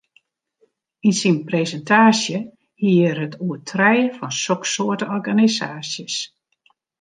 Yn syn presintaasje hie er it oer trije fan soksoarte organisaasjes.